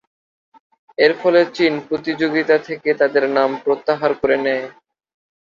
এরফলে চীন প্রতিযোগিতা থেকে তাদের নাম প্রত্যাহার করে নেয়।